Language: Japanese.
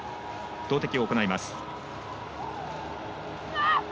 投てきを行います。